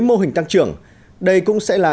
mô hình tăng trưởng đây cũng sẽ là